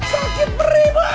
sakit beri bang